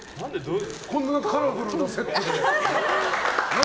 こんなカラフルなセットで。